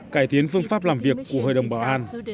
cải thiến phương pháp làm việc của hội đồng bảo an